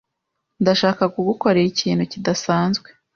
Ndashaka kugukorera ikintu kidasanzwe.